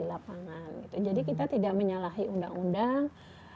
jadi kita tidak menyalahi undang undang